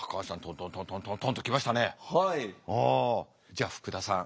じゃあ福田さん。